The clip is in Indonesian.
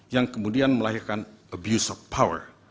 yang kemudian melahirkan abuse of power